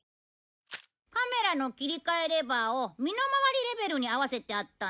カメラの切り替えレバーを身の回りレベルに合わせてあったんだ。